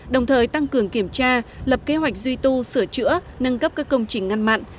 đồng thời tăng cường kiểm tra lập kế hoạch duy tu sửa chữa nâng cấp các công trình ngăn mặn